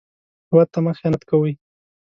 هېواد ته مه خيانت کوئ